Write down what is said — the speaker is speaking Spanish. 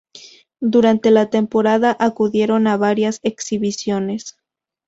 Durante la temporada acudieron a varias exhibiciones.